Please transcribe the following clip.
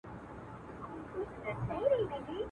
رسنۍ د سیاست اغېزمنه برخه ده